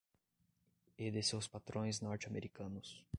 e de seus patrões norte-americanos